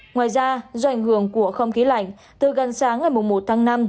ngoài ra doanh hưởng của không khí lạnh từ gần sáng ngày mùng một tháng năm